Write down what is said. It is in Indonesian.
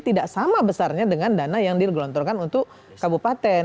tidak sama besarnya dengan dana yang digelontorkan untuk kabupaten